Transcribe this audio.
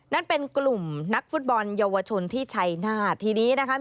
นั่นเป็นกลุ่มนักฟุตบอลเยาวชนที่ชัยหน้าทีนี้นะคะ